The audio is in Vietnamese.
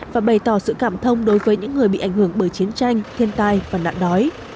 và bày tỏ sự cảm thông đối với những người bị ảnh hưởng bởi chiến tranh thiên tai và nạn đói